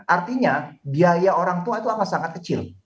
artinya biaya orang tua itu amat sangat kecil